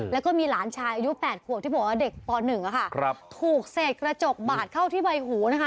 แล้วก็มีหลานชายอายุ๘ขวบที่บอกว่าเด็กป๑ค่ะถูกเศษกระจกบาดเข้าที่ใบหูนะคะ